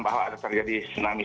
bahwa terjadi tsunami